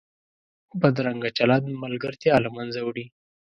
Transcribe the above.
بدرنګه چلند ملګرتیا له منځه وړي